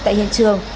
tại hiện trường